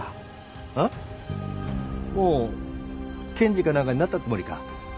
もう検事か何かになったつもりか。